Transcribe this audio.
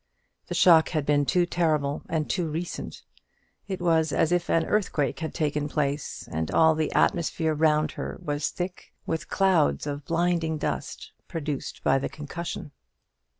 The shock had been too terrible and too recent. It was as if an earthquake had taken place, and all the atmosphere round her was thick with clouds of blinding dust produced by the concussion.